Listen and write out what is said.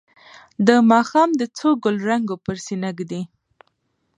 د ماښام د څو ګلرنګو پر سینه ږدي